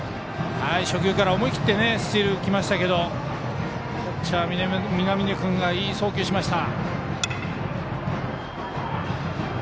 初球から思い切ってスチールに行きましたけどキャッチャーの南出君がいい送球をしました。